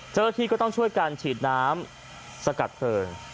เจ้าที่ก็ต้องช่วยการฉีดน้ำสกัดเผลอ